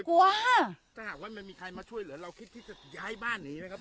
กลัวถ้าหากว่ามันมีใครมาช่วยเหลือเราคิดที่จะย้ายบ้านหนีไหมครับ